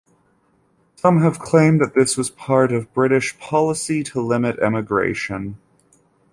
Some have claimed that this was part of British policy to limit emigration.